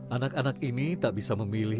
anak anak ini tak bisa memilih